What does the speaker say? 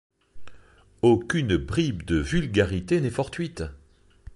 Aucune bribe de vulgarité n'est fortuite.